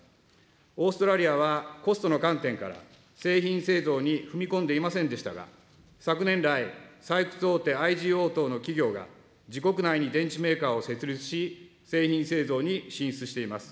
オーストラリアはコストの観点から製品製造に踏み込んでいませんでしたが、昨年来、採掘大手、ＩＧＯ等の企業が、自国内に電池メーカーを設立し、製品製造に進出しています。